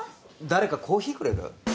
誰かコーヒーくれる？